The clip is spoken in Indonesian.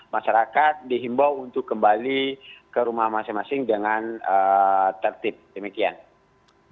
masyarakat dihimbau untuk kembali ke rumah masing masing dengan tertib demikian